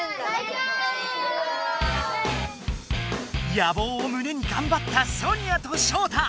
やぼうをむねにがんばったソニアとショウタ。